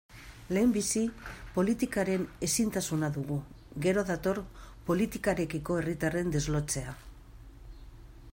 Lehenbizi politikaren ezintasuna dugu, gero dator politikarekiko herritarren deslotzea.